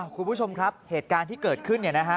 คุณผู้ชมครับเหตุการณ์ที่เกิดขึ้นเนี่ยนะฮะ